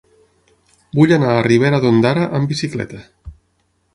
Vull anar a Ribera d'Ondara amb bicicleta.